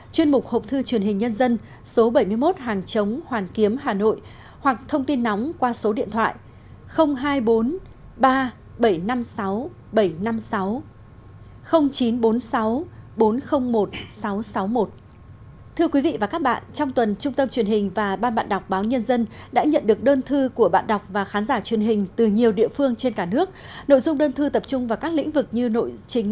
chuyên mục hộp thư truyền hình nhân dân số bảy mươi một hàng chống hoàn kiếm hà nội